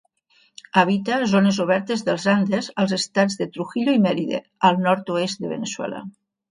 Habita zones obertes dels Andes als Estats de Trujillo i Mérida, al nord-oest de Veneçuela.